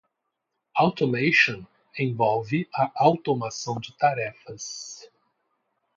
Automation envolve a automação de tarefas.